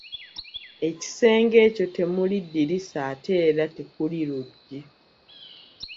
Ekisenge ekyo temuli ddirisa ate era tekuli luggi.